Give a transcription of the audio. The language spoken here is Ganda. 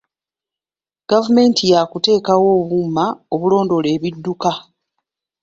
Gavumenti y’akuteekawo obuuma obulondoola ebidduka.